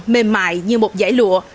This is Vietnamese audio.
mềm mại như một giải lụa